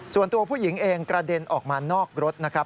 ส่วนตัวผู้หญิงเองกระเด็นออกมานอกรถนะครับ